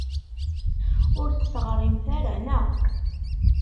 Ur d-teɣrimt ara, naɣ?